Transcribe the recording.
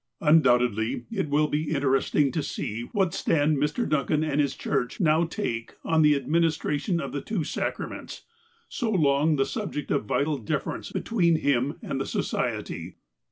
Undoubtedly it will be interesting to see what stand Mr. Duncan and his church now take on the administra tion of the two sacraments, so long the subject of vital difference between him and the Society.